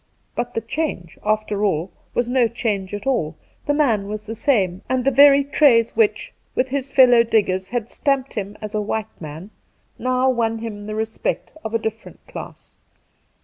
But the change, after all, was no change at all: the man was the same, and the very traits which, with his fellow diggers, had stamped him as a white man, now won him the respect of a different class.